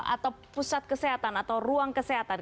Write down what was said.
atau pusat kesehatan atau ruang kesehatan